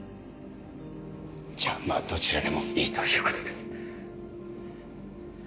じゃまあどちらでもいいということで